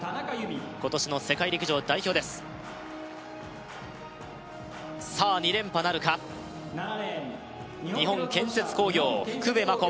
今年の世界陸上代表ですさあ２連覇なるか日本建設工業福部真子